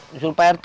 disuruh pak rt